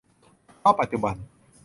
เพราะปัจจุบัน